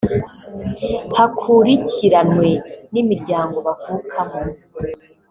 hakurikiranwe n’imiryango bavukamo